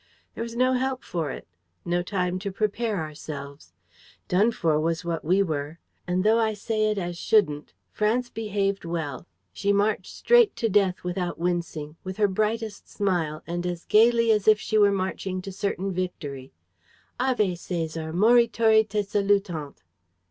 There was no help for it. No time to prepare ourselves. Done for was what we were. And, though I say it as shouldn't, France behaved well. She marched straight to death without wincing, with her brightest smile and as gaily as if she were marching to certain victory. _Ave, Cæsar, morituri te salutant!